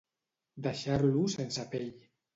Deixar-lo sense pell.